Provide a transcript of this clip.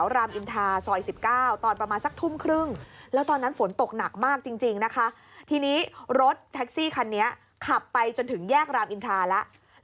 รถแท็กซี่คันนี้ขับไปจนถึงแยกรามอินทราแล้ว